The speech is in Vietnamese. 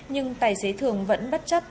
nhưng tài xế thường vẫn bất chấp